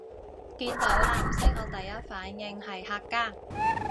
見到藍色我第一反應係客家